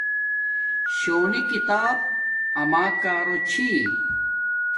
شونی کتاب اما کارو چھی